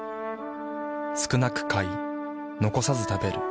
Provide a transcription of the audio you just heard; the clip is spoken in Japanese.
少なく買い残さず食べる。